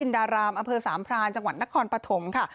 ดารามอำเภอสามพรานจังหวัดนครปฐมค่ะ